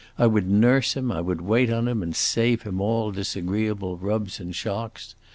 I would nurse him, I would wait on him and save him all disagreeable rubs and shocks.